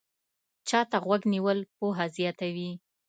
چا ته غوږ نیول پوهه زیاتوي